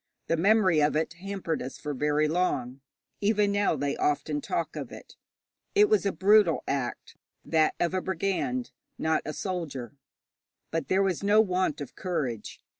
The memory of it hampered us for very long; even now they often talk of it. It was a brutal act that of a brigand, not a soldier. But there was no want of courage.